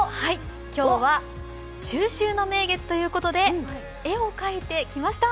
今日は、中秋の名月ということで絵を描いてきました。